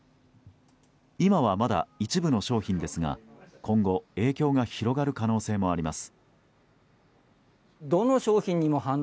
今はまだ、一部の商品ですが今後、影響が広がる可能性もあります。